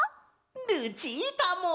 ルチータも！